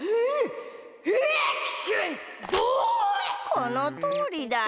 このとおりだよ。